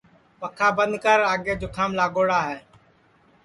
پکھا بند کر آگے جُکھام لاگوڑا ہے